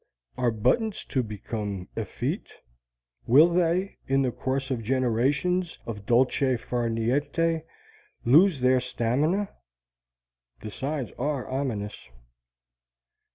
Are buttons to become effete? Will they, in the course of generations of dolce far niente, lose their stamina? The signs are ominous.